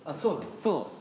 そう。